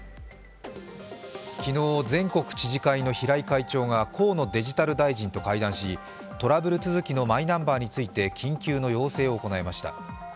昨日、全国知事会の平井会長が河野デジタル大臣と会談し、トラブル続きのマイナンバーについて緊急の要請を行いました。